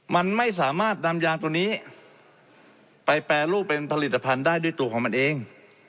มันไม่สามารถนำยางตัวนี้ไปแปรรูปเป็นผลิตภัณฑ์ได้ด้วยตัวของมันเอง